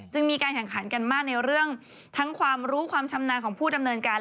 มีการแข่งขันกันมากในเรื่องทั้งความรู้ความชำนาญของผู้ดำเนินการ